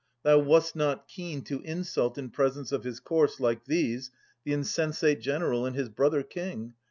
Thou wast not keen To insult in presence of his corse, like these. The insensate general and his brother king.